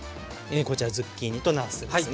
こちらズッキーニとなすですね。